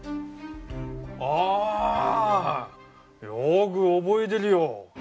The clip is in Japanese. よく覚えてるよ。